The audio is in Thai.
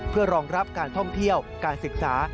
เพื่อรองรับการท่องเที่ยวการศึกษา